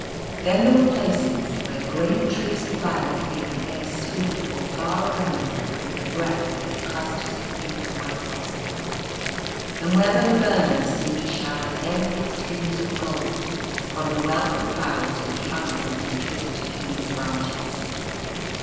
Then there were places where great trees of Lilac made the air sweet for far around with the breath of their clusters of pink and white blossom, and where the Laburnums seemed to shower endless streams of gold from the wealth of flowers which hung from their twisted green branches.